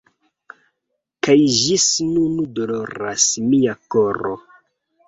Kaj ĝis nun doloras mia koro!